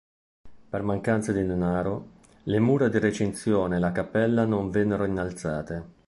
Per mancanza di denaro, le mura di recinzione e la cappella non vennero innalzate.